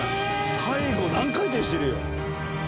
最後何回転してる？